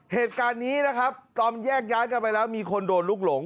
เหตุการณ์นี้นะครับตอนแยกย้ายกันไปแล้วมีคนโดนลูกหลง